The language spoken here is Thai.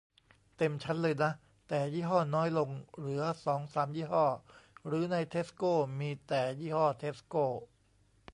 เต็มชั้นเลยนะ แต่ยี่ห้อน้อยลง เหลือสองสามยี่ห้อ หรือในเทสโกมีแต่ยี่ห้อเทสโก